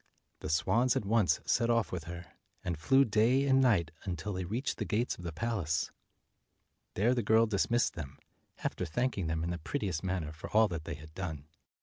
The swans at once set off with her, and flew day and night until they reached the gates of the palace. There the girl dismissed them, after thanking them in the prettiest manner for all that they had done.